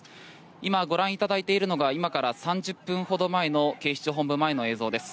今、ご覧いただいているのが今から３０分ほど前の警視庁本部前の映像です。